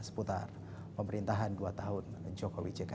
seputar pemerintahan dua tahun jokowi jk